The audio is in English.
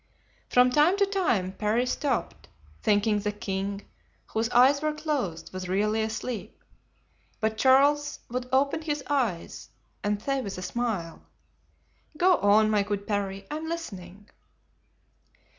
From time to time Parry stopped, thinking the king, whose eyes were closed, was really asleep, but Charles would open his eyes and say with a smile: "Go on, my good Parry, I am listening."